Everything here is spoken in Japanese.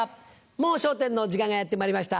『もう笑点』の時間がやってまいりました。